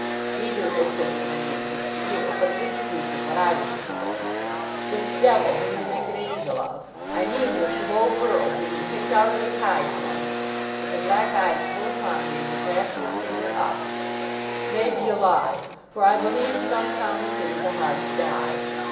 Neither is this of any interest to you; but it introduces what I wish to say. This devil whom you make an angel of. I mean this low girl whom he picked out of the tide mud,' with her black eyes full upon me, and her passionate finger up, 'may be alive, for I believe some common things are hard to die.